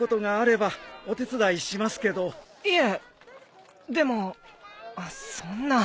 いえでもそんな。